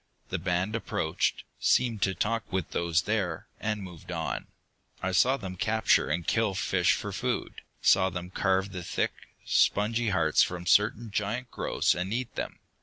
The band approached, seemed to talk with those there, and moved on. I saw them capture and kill fish for food, saw them carve the thick, spongy hearts from certain giant growths and eat them.